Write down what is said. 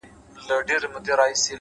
مهرباني له الفاظو زیات اغېز لري.